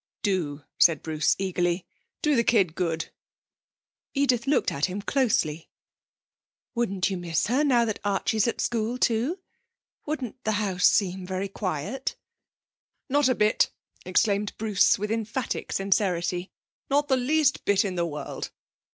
'Do,' said Bruce eagerly; 'do the kid good.' Edith looked at him closely. 'Wouldn't you miss her, now that Archie's at school too? Wouldn't the house seem very quiet?' 'Not a bit!' exclaimed Bruce with emphatic sincerity. 'Not the least bit in the world!